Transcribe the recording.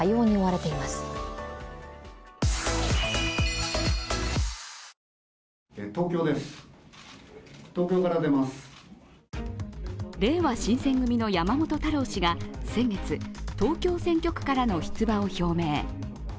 れいわ新選組の山本太郎氏が先月、東京選挙区からの出馬を表明。